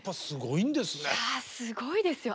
いやすごいですよ。